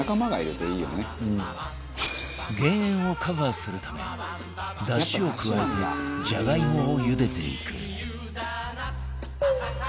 減塩をカバーするためダシを加えてジャガイモを茹でていく